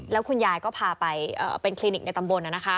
แล้วคุณยายก็พาไปเป็นคลินิกในตำบล